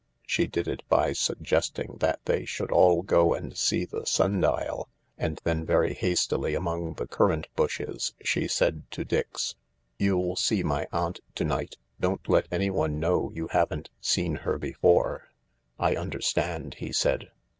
She did it by suggesting that they should all go and see the sundial, and then very hastily among the currant bushes she said to Dix : "You'll see my aunt to night. Don't let anyone know you haven't seen her before," " 1 understand," he said.